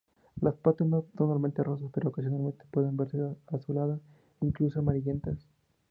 Las patas son normalmente rosas, pero ocasionalmente pueden verse azuladas e incluso amarillentas.